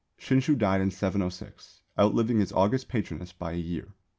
Shinshū died in 706, outliving his august patroness by a year.